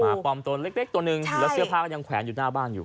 ปลอมตัวเล็กตัวหนึ่งแล้วเสื้อผ้าก็ยังแขวนอยู่หน้าบ้านอยู่